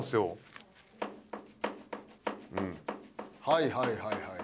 はいはいはいはい。